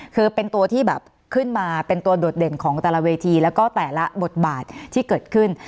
คือเป็นตัวที่แบบขึ้นมาเป็นตัวโดดเด่นของแต่ละเวทีแล้วก็แต่ละบทบาทที่เกิดขึ้น